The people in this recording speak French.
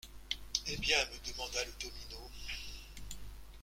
Eh bien ! me demanda le domino.